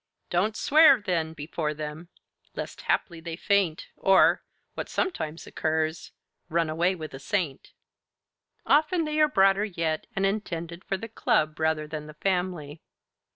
Don't swear then before them, lest haply they faint, Or what sometimes occurs run away with a Saint!" Often they are broader yet, and intended for the club rather than the family.